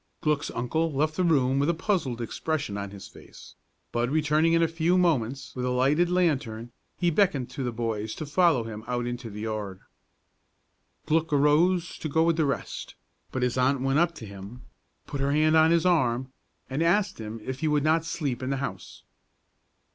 Glück's uncle left the room with a puzzled expression on his face; but returning in a few moments with a lighted lantern, he beckoned to the boys to follow him out into the yard. Glück arose to go with the rest; but his aunt went up to him, put her hand on his arm, and asked him if he would not sleep in the house.